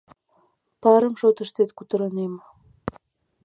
Парым шотыштет, кутырынем.